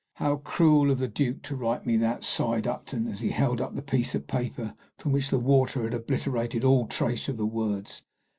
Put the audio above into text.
"How cruel of the Duke to write me that!" sighed Upton, as he held up the piece of paper, from which the water had obliterated all trace of the words.